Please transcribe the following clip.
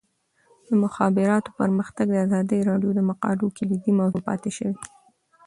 د مخابراتو پرمختګ د ازادي راډیو د مقالو کلیدي موضوع پاتې شوی.